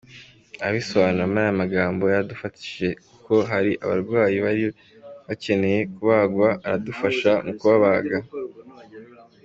Abisobanura muri aya magambo: “…yaradufashije kuko hari abarwayi bari bakeneye kubagwa, aradufasha mu kubabaga.